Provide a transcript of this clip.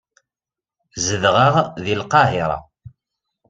Zedɣeɣ deg Lqahira.